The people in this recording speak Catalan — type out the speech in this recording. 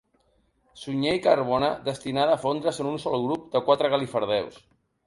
Sunyer i Carbona, destinada a fondre's en un sol grup de quatre galifardeus.